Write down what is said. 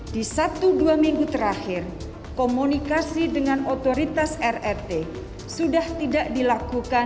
di satu dua minggu terakhir komunikasi dengan otoritas rrt sudah tidak dilakukan